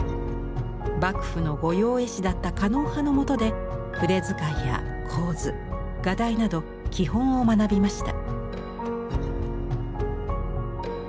幕府の御用絵師だった狩野派のもとで筆遣いや構図画題など基本を学びました。